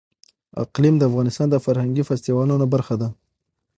اقلیم د افغانستان د فرهنګي فستیوالونو برخه ده.